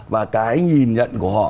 và cái nhìn nhận của họ